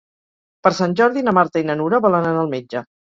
Per Sant Jordi na Marta i na Nura volen anar al metge.